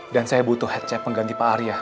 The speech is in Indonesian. dan saya butuh head chef pengganti pak arya